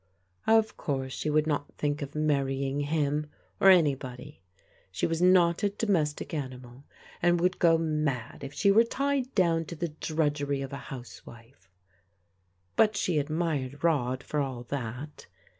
Of course she would not think of marrying him, or anybody. She was not a domestic ani mal, and would go mad if she were tied down to the drudgery of a housewife: but she admired Rod for all that.